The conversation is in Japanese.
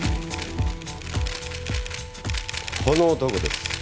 この男です。